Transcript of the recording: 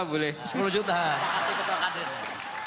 terima kasih ketua kadin